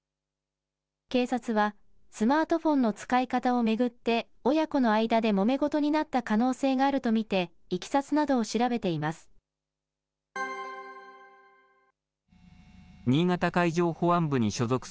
警察は、スマートフォンの使い方を巡って、親子の間でもめ事になった可能性があると見て、いきさつなどを調べています。